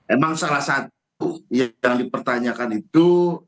emang salah satu yang dipertanyakan itu